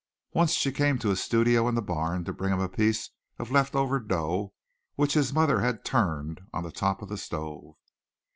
Once she came to his studio in the barn to bring him a piece of left over dough which his mother had "turned" on the top of the stove.